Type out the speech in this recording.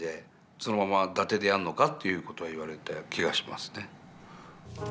「そのまま伊達でやんのか」という事は言われた気がしますね。